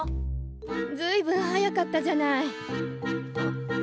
ずいぶん早かったじゃない。